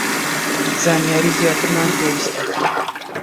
زانیاری زیاترمان پێویستە